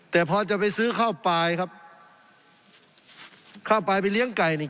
แต่พอจะไปซื้อข้าวปลายครับข้าวปลายไปเลี้ยงไก่นี่